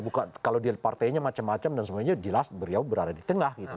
bukan kalau dia partainya macam macam dan semuanya jelas beliau berada di tengah gitu